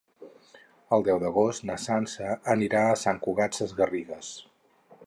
El deu d'agost na Sança anirà a Sant Cugat Sesgarrigues.